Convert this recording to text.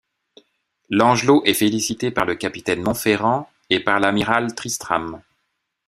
Langelot est félicité par le capitaine Montferrand et par l'amiral Tristram.